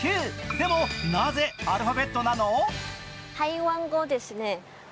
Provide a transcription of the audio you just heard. でもなぜアルファベットなの？